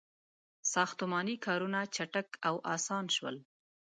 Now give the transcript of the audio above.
• ساختماني کارونه چټک او آسان شول.